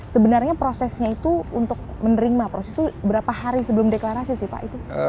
sebenarnya prosesnya itu untuk menerima proses itu berapa hari sebelum deklarasi sih pak